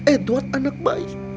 edward anak baik